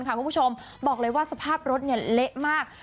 คุณผู้ชมบอกเลยว่าสภาพรถเละมาก